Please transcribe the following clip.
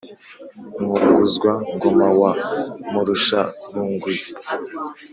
mwunguzwa –ngoma wa murusha-bunguzi